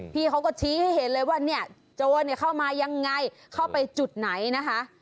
พี่เขาก็ชี้ให้เห็นเลยว่าเนี่ยโจรเข้ามายังไงเข้าไปจุดไหนนะคะ